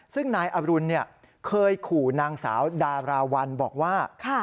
ซึ่งนายอรุณเคยขู่นางสาวดาราวัลบอกว่า